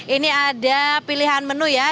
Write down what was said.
ini ada pilihan menu ya